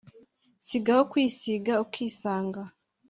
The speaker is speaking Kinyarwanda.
sigaho kwisiga ukisanga